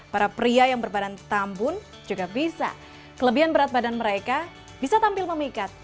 para pria yang berbadan tambun juga bisa kelebihan berat badan mereka bisa tampil memikat